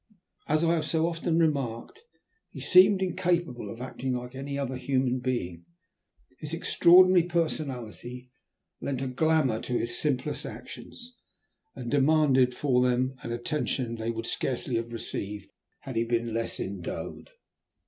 As I have so often remarked, he seemed incapable of acting like any other human being. His extraordinary personality lent a glamour to his simplest actions, and demanded for them an attention they would scarcely have received had he been less endowed.